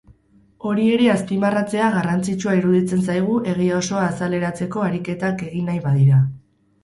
Hori ere azpimarratzea garrantzitsua iruditzen zaigu egia osoa azaleratzeko ariketak egin nahi badira.